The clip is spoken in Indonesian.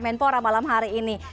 menpora malam hari ini